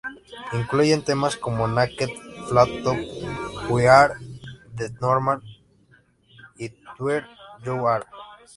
Incluye temas como Naked, Flat top, We are the normal y There you are.